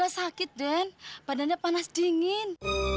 lho menjelaskan dan padanya panas dingin